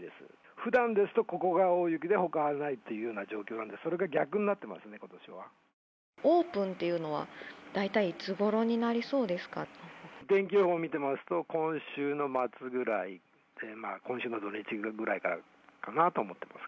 ふだんですと、ここが大雪でほかがないというような状況なんですが、それが逆にオープンというのは、大体い天気予報見てますと、今週の末ぐらい、今週末の土日ぐらいかなと思ってます。